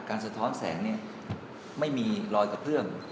การสะท้อนแสงไม่มีรอยตะเกื้อง